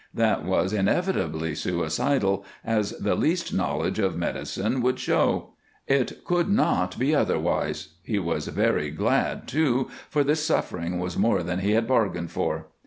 That was inevitably suicidal, as the least knowledge of medicine would show; it could not be otherwise. He was very glad, too, for this suffering was more than he had bargained for.